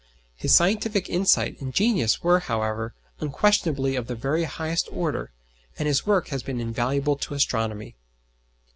His scientific insight and genius were however unquestionably of the very highest order, and his work has been invaluable to astronomy.